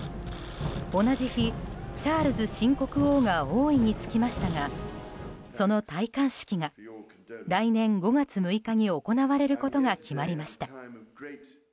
同じ日、チャールズ新国王が王位に就きましたがその戴冠式が来年５月６日に行われることが決まりました。